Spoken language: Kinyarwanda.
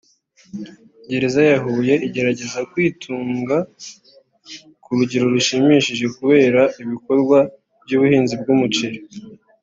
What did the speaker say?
Gereza ya Huye igerageza kwitunga ku rugero rushimishije kubera ibikorwa by’ubuhinzi bw’umuceri